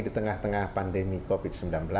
di tengah tengah pandemi covid sembilan belas